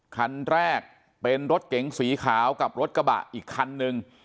คันแรกเป็นรถเก๋งสีขาวกับรถกระบะอีกคันนึง